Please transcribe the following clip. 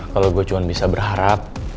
kalau gue cuma bisa berharap